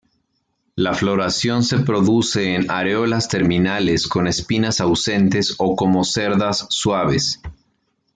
La floración se produce en areolas terminales con espinas ausentes o como cerdas suaves.